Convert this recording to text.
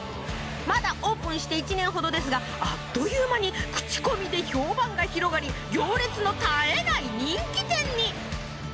まだオープンして１年ほどですがあっという間に口コミで評判が広がり行列の絶えない人気店に。